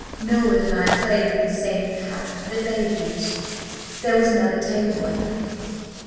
Milward and I played with the same pack that they had used. ... There was another table, I think.